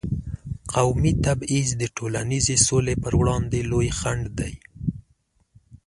قومي تبعیض د ټولنیزې سولې پر وړاندې لوی خنډ دی.